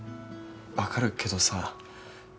分かるけどさ。